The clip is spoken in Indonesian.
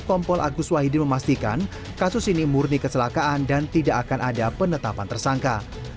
kompol agus wahidi memastikan kasus ini murni kecelakaan dan tidak akan ada penetapan tersangka